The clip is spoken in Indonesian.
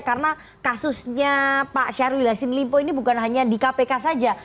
karena kasusnya pak syarulilasin limpo ini bukan hanya di kpk saja